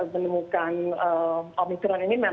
menemukan omikron ini memang